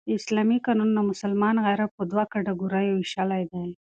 اسلامي قانون نامسلمان رعیت په دوو کېټه ګوریو ویشلى دئ.